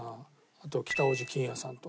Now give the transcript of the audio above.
あと北大路欣也さんとか。